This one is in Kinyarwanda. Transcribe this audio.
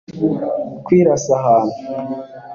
kwirasa ahantu